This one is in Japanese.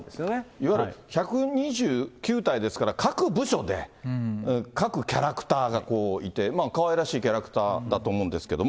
いわゆる１２９体ですから、各部署で、各キャラクターがいて、かわいらしいキャラクターだと思うんですけれども。